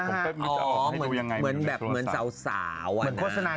เหมือนแบบเหมือนสาวอะนะ